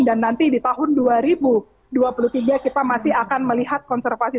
dan nanti di tahun dua ribu dua puluh tiga kita masih akan melihat konservasi